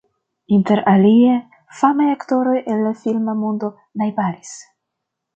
Interalie famaj aktoroj el la filma mondo najbaris.